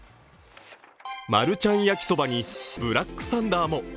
マルちゃん焼そばにブラックサンダーも。